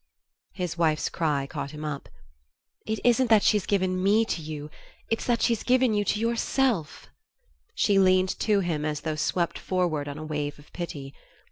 His wife's cry caught him up. "It isn't that she's given ME to you it is that she's given you to yourself." She leaned to him as though swept forward on a wave of pity.